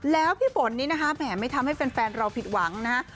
แล้วพี่ฝนนี้นะคะแหมไม่ทำให้แฟนเราผิดหวังนะฮะ